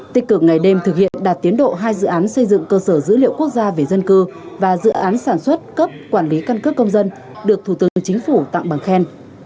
tích cực ngày đêm thực hiện đạt tiến độ hai dự án xây dựng cơ sở dữ liệu quốc gia về dân cư và dự án sản xuất cấp quản lý căn cước công dân được thủ tướng chính phủ tặng bằng khen